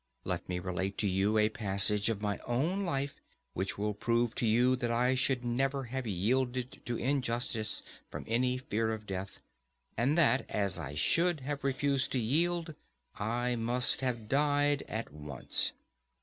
Let me relate to you a passage of my own life which will prove to you that I should never have yielded to injustice from any fear of death, and that "as I should have refused to yield" I must have died at once.